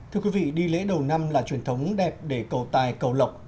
thưa quý vị đi lễ đầu năm là truyền thống đẹp để cầu tài cầu lộc